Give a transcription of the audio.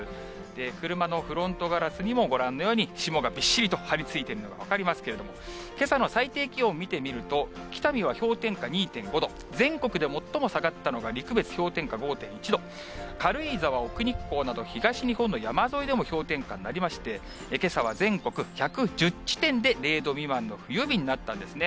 車のフロントガラスにも、ご覧のように、霜がびっしりと張りついているのが分かりますけれども、けさの最低気温見てみると、北見は氷点下２．５度、全国で最も下がったのが陸別氷点下５．１度、軽井沢、奥日光など東日本の山沿いでも氷点下になりまして、けさは全国１１０地点で、０度未満の冬日になったんですね。